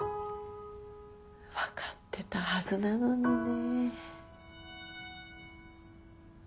分かってたはずなのにね。